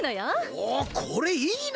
おこれいいな！